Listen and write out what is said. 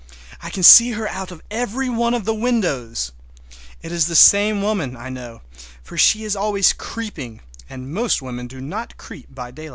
I can see her out of every one of my windows! It is the same woman, I know, for she is always creeping, and most women do not creep by daylight.